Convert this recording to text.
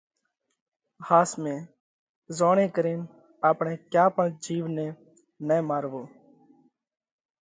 ۿاس ۾ زوڻي ڪرينَ آپڻئہ ڪيا پڻ جِيوَ نئہ نہ ماروَو